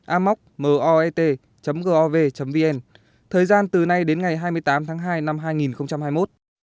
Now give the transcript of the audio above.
hai nghìn hai mươi amoc gov vn thời gian từ nay đến ngày hai mươi tám tháng hai năm hai nghìn hai mươi một